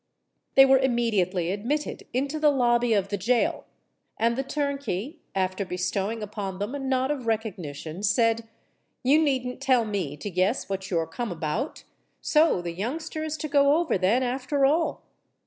They were immediately admitted into the lobby of the gaol; and the turnkey, after bestowing upon them a nod of recognition, said, "You needn't tell me to guess what you're come about. So the youngster is to go over, then—after all?"